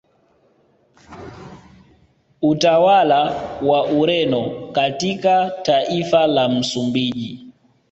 Utawala wa Ureno katika taifa la Msumbiji